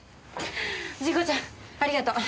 仁子ちゃんありがとう。